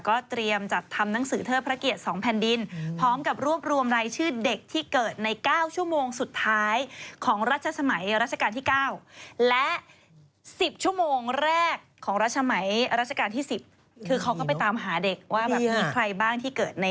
ก็เตรียมจัดทำนังสือเทิดพระเกียรติสองแผ่นดิน